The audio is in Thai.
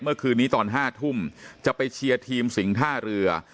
เมื่อคืนนี้ตอน๕ทุ่มจะไปเชียร์ทีมสิงท่าเรือ